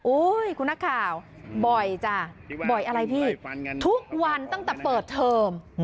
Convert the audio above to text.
คุณนักข่าวบ่อยจ้ะบ่อยอะไรพี่ทุกวันตั้งแต่เปิดเทอม